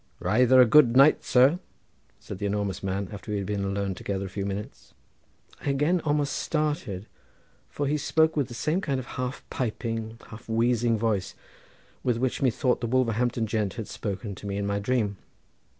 "Reither a cool night, sir!" said the enormous man after we had been alone together a few minutes. I again almost started, for he spoke with the same kind of half piping, half wheezing voice, with which methought the Wolverhampton gent had spoken to me in my dream.